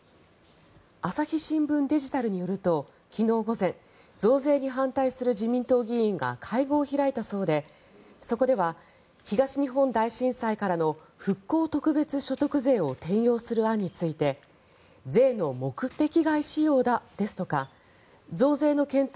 朝日新聞デジタルによると昨日午前増税に反対する自民党議員が会合を開いたそうでそこでは東日本大震災からの復興特別所得税を転用する案について税の目的外使用だですとか増税の検討